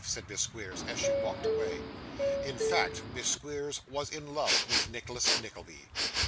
said Miss Squeers, as she walked away. In fact, Miss Squeers was in love with Nicholas Nickleby.